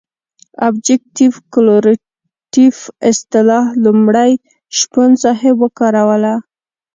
ابجګټف کورلیټف اصطلاح لومړی شپون صاحب وکاروله.